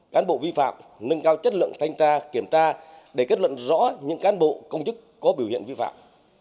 cán bộ vi phạm nâng cao chất lượng thanh tra kiểm tra để kết luận rõ những cán bộ công chức có biểu hiện vi phạm